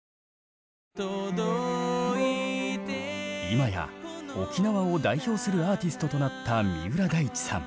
今や沖縄を代表するアーティストとなった三浦大知さん。